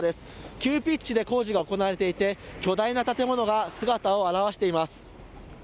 急ピッチで工事が行われていて、巨大な建物が姿を現しています。